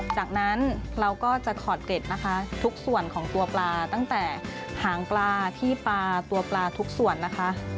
จากนั้นเราก็จะขอดเกร็ดนะคะทุกส่วนของตัวปลาตั้งแต่หางปลาที่ปลาตัวปลาทุกส่วนนะคะ